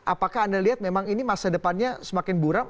apakah anda lihat memang ini masa depannya semakin buram